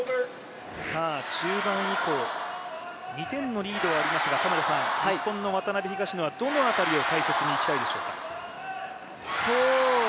中盤以降、２点のリードはありますが日本の渡辺・東野はどのあたりを大切にいきたいでしょうか？